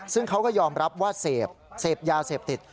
ซึ่งเขาก็ยอมรับว่าเสพเสพยาเสพติด